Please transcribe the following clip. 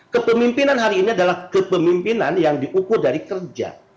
kepemimpinan hari ini adalah kepemimpinan yang diukur dari kerja